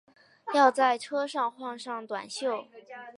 要在车上换上短袖